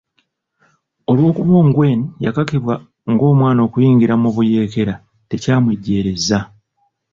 Olw'okuba Ongwen yakakibwa ng'omwana okuyingira mu buyeekera, tekyamwejjeereza .